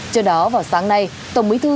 trên đó vào sáng nay tổng bí thư